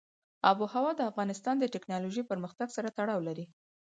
آب وهوا د افغانستان د تکنالوژۍ پرمختګ سره تړاو لري.